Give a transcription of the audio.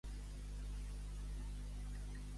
Quina oferta hi havia al Cine Ideal?